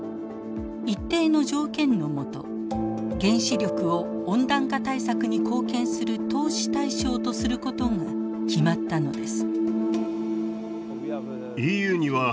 一定の条件の下原子力を温暖化対策に貢献する投資対象とすることが決まったのです。